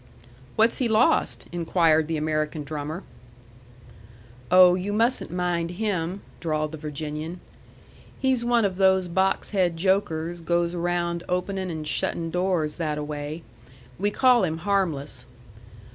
"What's he lost?" inquired the American drummer. "Oh, you mustn't mind him," drawled the Virginian. "He's one of those box head jokers goes around openin' and shuttin' doors that a way. We call him harmless.